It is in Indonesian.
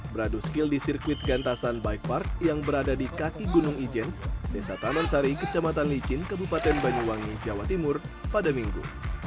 beradu skill di sirkuit gantasan bike park yang berada di kaki gunung ijen desa taman sari kecamatan licin kabupaten banyuwangi jawa timur pada minggu